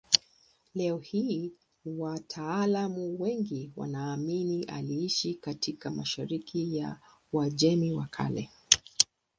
Leo hii wataalamu wengi wanaamini aliishi katika mashariki ya Uajemi ya Kale.